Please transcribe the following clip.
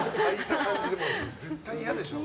絶対嫌でしょ。